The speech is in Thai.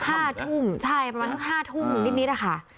๕ทุ่มใช่ประมาณ๕ทุ่มนิดนะคะ